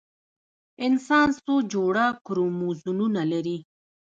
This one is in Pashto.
انسان څو جوړه کروموزومونه لري؟